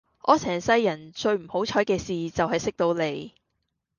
我成世人最唔好彩既事就係識到你